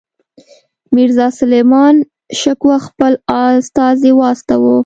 میرزاسلیمان شکوه خپل استازی واستاوه.